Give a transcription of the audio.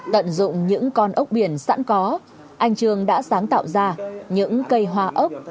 tận dụng những con ốc biển sẵn có anh trương đã sáng tạo ra những cây hoa ốc